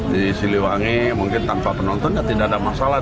di siliwangi mungkin tanpa penonton ya tidak ada masalah